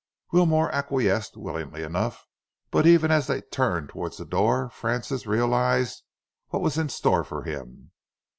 Wilmore acquiesced willingly enough, but even as they turned towards the door Francis realised what was in store for him.